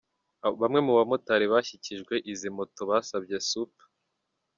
Bamwe mu bamotari bashyikijwe izi moto basabye Supt.